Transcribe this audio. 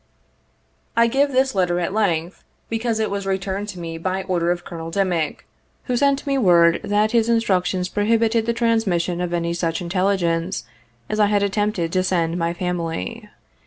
I give this letter at length, because it was returned to nie by order of Colonel Dimick, who sent me word that his instructions prohibited the transmission of any such intelligence as I had attempted to send my family.